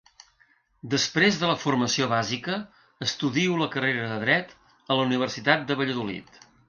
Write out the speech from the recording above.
Després de la formació bàsica, estudio la carrera de Dret a la Universitat de Valladolid.